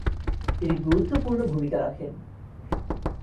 তিনি গুরুত্বপূর্ণ ভূমিকা রাখেন।